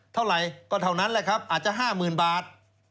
เท่าไหร่ก็เท่านั้นแหละครับอาจจะ๕๐๐๐บาท